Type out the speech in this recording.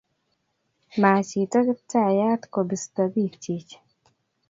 ma chito kiptayat kobisto biikchich